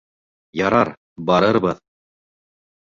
— Ярар, барырбыҙ.